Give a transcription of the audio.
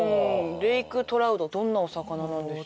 レイクトラウトどんなお魚なんでしょう